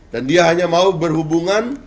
dan dia hanya mau berhubungan